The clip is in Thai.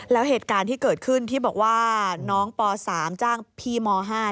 แล้วเหตุการณ์ที่เกิดขึ้นที่บอกว่าน้องป๓จ้างพี่ม๕